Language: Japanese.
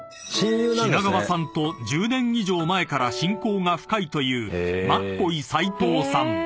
［品川さんと１０年以上前から親交が深いというマッコイ斉藤さん］